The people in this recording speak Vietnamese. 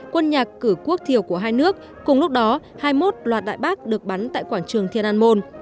quân nhạc cử quốc thiều của hai nước cùng lúc đó hai mươi một loạt đại bác được bắn tại quảng trường thiên an môn